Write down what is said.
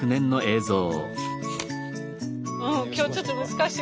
今日ちょっと難しい。